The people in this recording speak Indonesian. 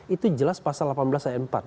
itu jelas pasal delapan belas ayat empat